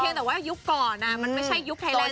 เพียงแต่ว่ายุคก่อนอ่ะมันไม่ใช่ยุคไฮแลนด์๔๐๐